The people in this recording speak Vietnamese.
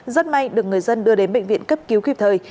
rất may được người dân đưa đến bệnh viện cấp cứu kịp thời